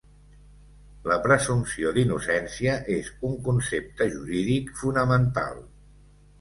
La presumpció d'innocència és un concepte jurídic fonamental.